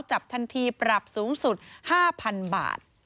จับทันทีปรับสูงสุด๕๐๐๐บาท